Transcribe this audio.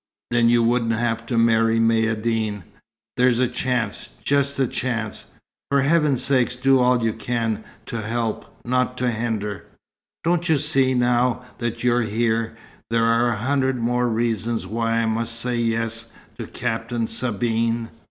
Then you wouldn't have to marry Maïeddine. There's a chance just a chance. For heaven's sake do all you can to help, not to hinder. Don't you see, now that you're here, there are a hundred more reasons why I must say 'yes' to Captain Sabine?"